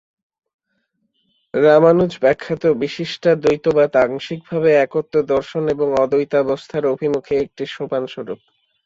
রামানুজ-ব্যাখ্যাত বিশিষ্টাদ্বৈতবাদ আংশিকভাবে একত্ব-দর্শন, এবং অদ্বৈতাবস্থার অভিমুখে একটি সোপানস্বরূপ।